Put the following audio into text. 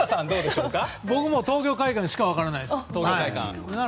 僕も東京会館しか分からないです。